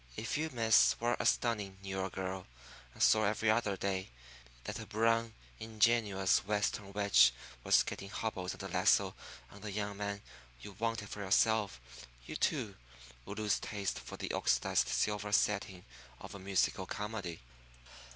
If you, miss, were a stunning New York girl, and saw every day that a brown, ingenuous Western witch was getting hobbles and a lasso on the young man you wanted for yourself, you, too, would lose taste for the oxidized silver setting of a musical comedy.